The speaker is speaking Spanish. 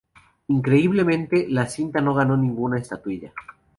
Increíblemente, la cinta no ganó ninguna estatuilla.